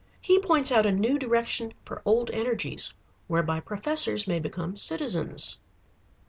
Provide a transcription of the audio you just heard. He points out a new direction for old energies, whereby professors may become citizens.